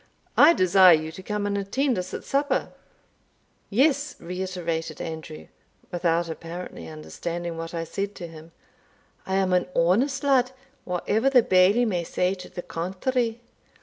I desire you to come and attend us at supper." "Yes," reiterated Andrew, without apparently understanding what I said to him, "I am an honest lad, whatever the Bailie may say to the contrary.